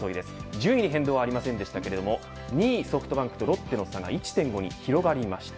順位に変動はありませんでしたけど２位ソフトバンクとロッテの差が１．５に広がりました。